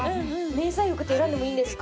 迷彩服って選んでもいいんですか？